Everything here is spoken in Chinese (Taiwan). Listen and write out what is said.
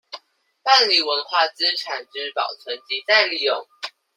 辦理文化資產之保存及再利用